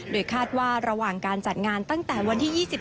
โดยคาดว่าระหว่างการจัดงานตั้งแต่วันที่๒๗